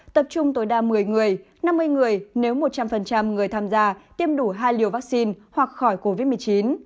tập trung tối đa một mươi người năm mươi người nếu một trăm linh người tham gia tiêm đủ hai liều vaccine hoặc khỏi covid một mươi chín